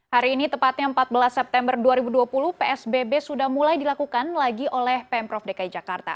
hari ini tepatnya empat belas september dua ribu dua puluh psbb sudah mulai dilakukan lagi oleh pemprov dki jakarta